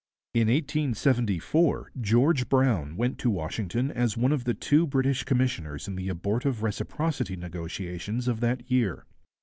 In 1874 George Brown went to Washington as one of the two British commissioners in the abortive reciprocity negotiations of that year.